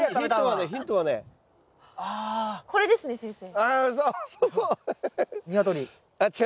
あそうそうそう！